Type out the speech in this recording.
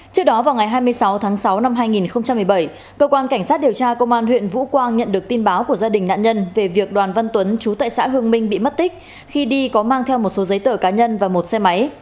trước đó vào ngày hai mươi sáu tháng sáu năm hai nghìn một mươi bảy cơ quan cảnh sát điều tra công an huyện vũ quang nhận được tin báo của gia đình nạn nhân về việc đoàn văn tuấn chú tại xã hương minh bị mất tích khi đi có mang theo một số giấy tờ cá nhân và một xe máy